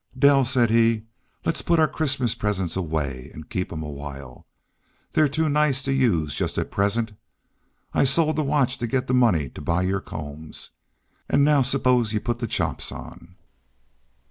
"Dell," said he, "let's put our Christmas presents away and keep 'em a while. They're too nice to use just at present. I sold the watch to get the money to buy your combs. And now suppose you put the chops on."